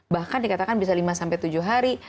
bahkan dikatakan bisa lima sampai tujuh hari